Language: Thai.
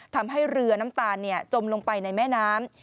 ทำให้เรือน้ำตาลจมลงไปในแม่น้ำ